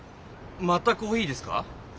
またコーヒーですか？